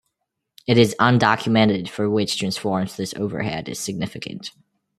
It is undocumented for which transforms this overhead is significant.